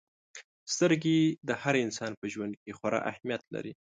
• سترګې د هر انسان په ژوند کې خورا اهمیت لري.